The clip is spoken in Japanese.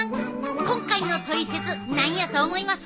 今回の「トリセツ」何やと思います？